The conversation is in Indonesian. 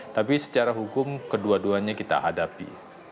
tapi secara hukum kedua duanya kita hadapi